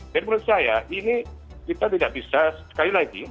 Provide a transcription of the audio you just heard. dan menurut saya ini kita tidak bisa sekali lagi